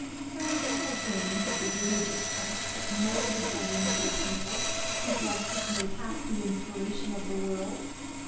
That is the fulfillment of the religious trust that moulded them into a people, whose life has made half the inspiration of the world.